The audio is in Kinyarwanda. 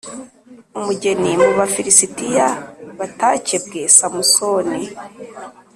umugeni mu Bafilisitiya batakebwe Samusoni